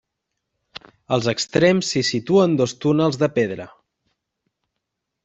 Als extrems s'hi situen dos túnels de pedra.